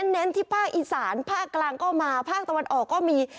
เน้นที่ภาคอีสานภาคกลางก็มาภาคตะวันออกก็มี